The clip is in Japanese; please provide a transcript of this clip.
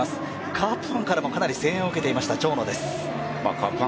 カープファンからもかなり声援を受けていました、長野です。